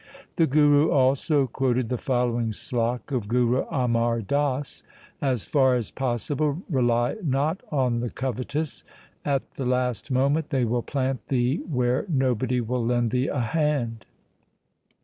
The Guru also quoted the following slok of Guru Amar Das :— As far as possible rely not on the covetous : At the last moment they will plant thee where nobody will lend thee a hand.